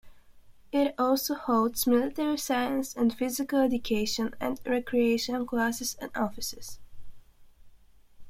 It also holds Military Science and Physical Education and Recreation classes and offices.